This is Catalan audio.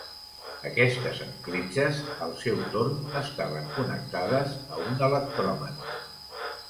Aquestes encletxes, al seu torn, estaven connectades a un electròmetre.